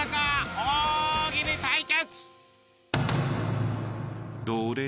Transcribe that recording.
大喜利対決。